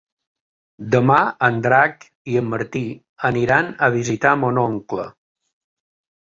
Demà en Drac i en Martí aniran a visitar mon oncle.